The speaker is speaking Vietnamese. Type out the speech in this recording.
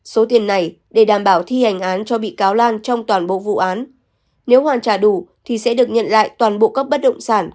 số tiền này để đảm bảo thi hành án cho bị cáo lan trong toàn bộ vụ án nếu hoàn trả đủ thì sẽ được nhận lại toàn bộ các bất động sản